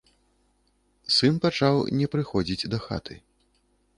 Сын пачаў не прыходзіць дахаты.